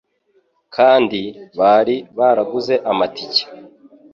kandi bari baraguze amatike.